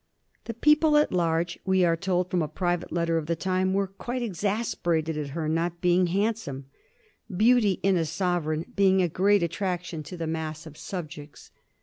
The people at large, we are told from a private letter of the time, were "quite exasperated at her not being handsome," beauty in a sovereign being a great attraction to the mass of subjects.